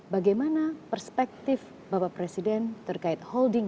bagaimana perspektif bapak presiden terkait holding